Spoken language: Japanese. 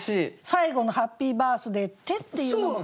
最後の「『ハッピーバースデイ』って」っていうのも。